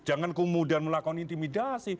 jangan kemudian melakukan intimidasi